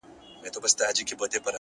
اخلاص د عمل رنګ ښکلی کوي.!